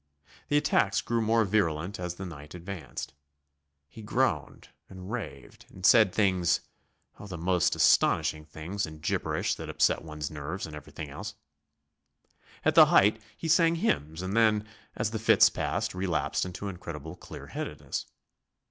The attacks grew more virulent as the night advanced. He groaned and raved, and said things oh, the most astounding things in gibberish that upset one's nerves and everything else. At the height he sang hymns, and then, as the fits passed, relapsed into incredible clear headedness.